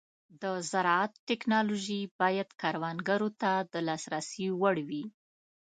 د زراعت ټيکنالوژي باید کروندګرو ته د لاسرسي وړ وي.